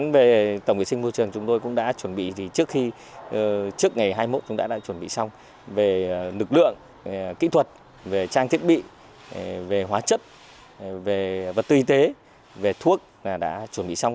về hóa chất về vật tư y tế về thuốc đã chuẩn bị xong